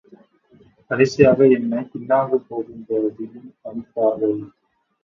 கடைசியாக என்னைப் பினாங்குக்குப் போகும்படி பணித்தார்கள்.